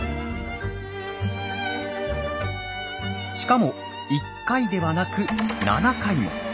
しかも１回ではなく７回も。